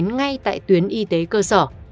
ngay tại tuyến y tế cơ sở